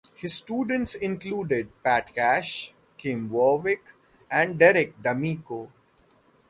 His students included Pat Cash, Kim Warwick, and Derek Damico.